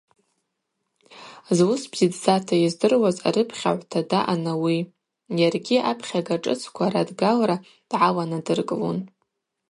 Зуыс бзидздзата йыздыруаз арыпхьагӏвта даъан ауи, йаргьи апхьага шӏыцква радгалра дгӏаланадыркӏлун.